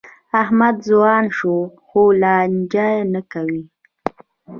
احمد ځوان شو؛ خو لانجه نه کوي.